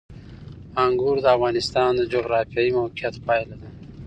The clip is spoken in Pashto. انګور د افغانستان د جغرافیایي موقیعت پایله ده.